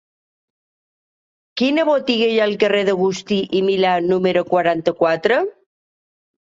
Quina botiga hi ha al carrer d'Agustí i Milà número quaranta-quatre?